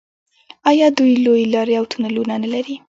آیا دوی لویې لارې او تونلونه نلري؟